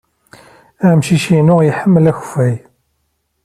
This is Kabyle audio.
Amcic-inu iḥemmel akeffay.